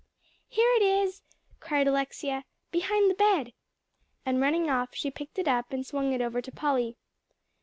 "Here it is," cried Alexia, "behind the bed." And running off, she picked it up, and swung it over to Polly.